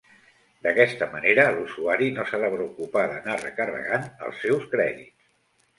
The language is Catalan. D'aquesta manera l'usuari no s'ha de preocupar d'anar recarregant els seus crèdits.